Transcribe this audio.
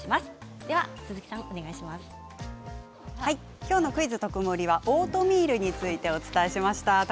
きょうの「クイズとくもり」はオートミールについてお伝えしました。